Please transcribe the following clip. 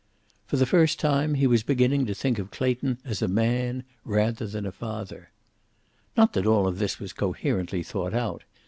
For the first time he was beginning to think of Clayton as a man, rather than a father. Not that all of this was coherently thought out.